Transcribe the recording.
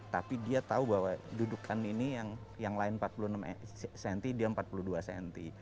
tapi dia tahu bahwa dudukan ini yang lain empat puluh enam cm dia empat puluh dua cm